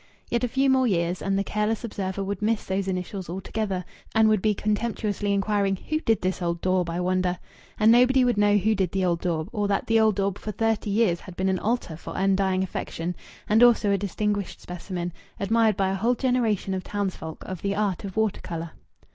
Yet a few more years, and the careless observer would miss those initials altogether and would be contemptuously inquiring, "Who did this old daub, I wonder?" And nobody would know who did the old daub, or that the old daub for thirty years had been an altar for undying affection, and also a distinguished specimen admired by a whole generation of townsfolk of the art of water colour.